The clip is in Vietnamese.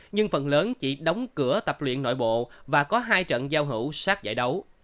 nhưng phần lớn chỉ đóng cửa tập luyện nội bộ và có hai trận giao hữu sát giải đấu